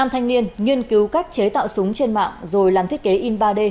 năm thanh niên nghiên cứu cách chế tạo súng trên mạng rồi làm thiết kế in ba d